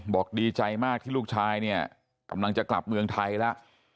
บอกดีใจมากที่ลูกชายเนี่ยกำลังจะกลับเมืองไทยแล้ว